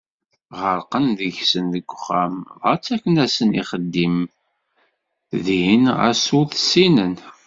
Ɣerqen deg-sen deg uxxam, dɣa ttaken-asen ixeddim din ɣas ur s-ssinen.